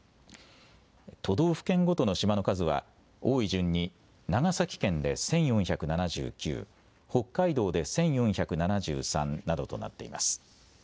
都道府県ごとの島の数は多い順に長崎県で１４７９、北海道で１４７３などとなっています。